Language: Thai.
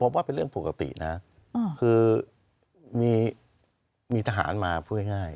ผมว่าเป็นเรื่องปกตินะคือมีทหารมาพูดง่าย